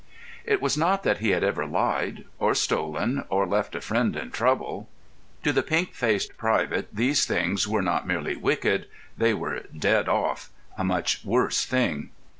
It was not that he had ever lied, or stolen, or left a friend in trouble. To the pink faced private these things were not merely wicked; they were "dead off"—a much worse thing.